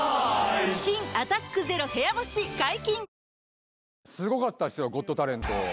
新「アタックＺＥＲＯ部屋干し」解禁‼トニー。